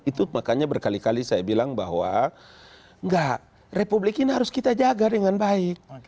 itu makanya berkali kali saya bilang bahwa republik ini harus kita jaga dengan baik